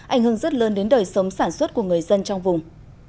ảnh hưởng rất lớn đến đời sống sản xuất của người dân trong vùng